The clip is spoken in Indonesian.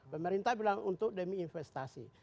pemerintah bilang untuk demi investasi